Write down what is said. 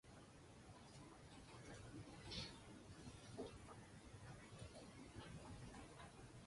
Public spaces, monuments, and war memorials are specially adorned to create a festive atmosphere.